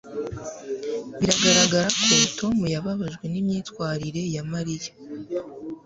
biragaragara ko tom yababajwe n'imyitwarire ya mariya